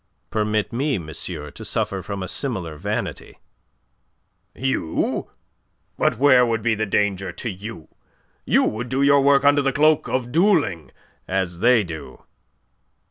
"Permit me, monsieur, to suffer from a similar vanity." "You? But where would be the danger to you? You would do your work under the cloak of duelling as they do."